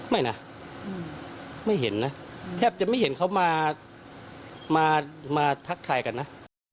ไม่นะไม่เห็นนะแทบจะไม่เห็นเขามาทักทายกันนะ